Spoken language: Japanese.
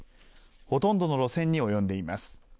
ほとんどの路線に及んでいます。